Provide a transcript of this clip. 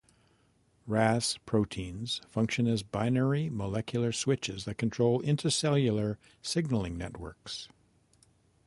Ras proteins function as binary molecular switches that control intracellular signaling networks.